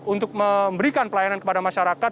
untuk memberikan pelayanan kepada masyarakat